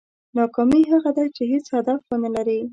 ناکامي هغه ده چې هېڅ هدف ونه لرې.